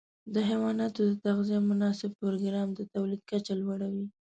د حيواناتو د تغذیې مناسب پروګرام د تولید کچه لوړه وي.